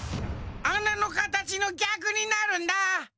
あなのかたちのぎゃくになるんだ。